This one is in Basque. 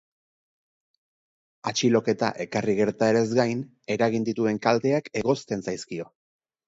Atxiloketa ekarri gertaerez gain, eragin dituen kalteak egozten zaizkio.